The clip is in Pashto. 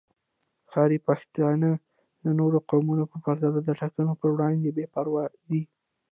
ښاري پښتانه د نورو قومونو په پرتله د ټاکنو پر وړاندې بې پروا دي